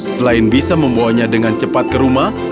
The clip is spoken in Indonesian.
selain bisa membawanya dengan cepat ke rumah